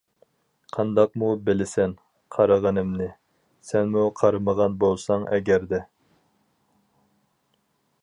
قانداقمۇ بىلىسەن قارىغىنىمنى، سەنمۇ قارىمىغان بولساڭ ئەگەردە.